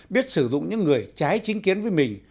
biết sử dụng những người trái chính kiến với mình